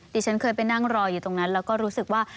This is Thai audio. ดิฉันเคยไปนั่งรออยู่ตรงนั้นแล้วก็รู้สึกว่า